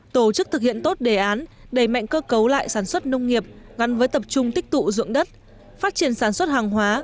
tổ chức thực hiện tốt đề án đẩy mạnh cơ cấu lại sản xuất nông nghiệp gắn với tập trung tích tụ dụng đất phát triển sản xuất hàng hóa